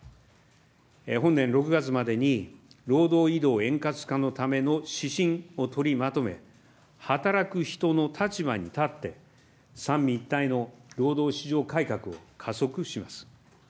本年６月までに労働移動円滑化のための指針を取りまとめ、働く人の立場に立って、三位一体の労働市場改革を加速します。